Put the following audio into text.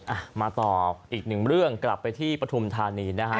อ่ะมาต่ออีก๑เรื่องกลับไปที่ปทุมธานีนะครับ